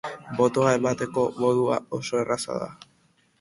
Botoa emateko modua oso erraza da.